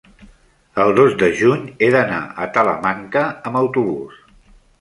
el dos de juny he d'anar a Talamanca amb autobús.